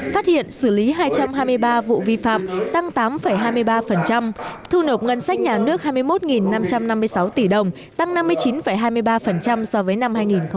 phát hiện xử lý hai trăm hai mươi ba vụ vi phạm tăng tám hai mươi ba thu nộp ngân sách nhà nước hai mươi một năm trăm năm mươi sáu tỷ đồng tăng năm mươi chín hai mươi ba so với năm hai nghìn một mươi tám